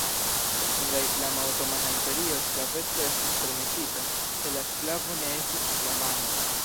En la islama otomana imperio sklaveco estis permesita, se la sklavo ne estis islamano.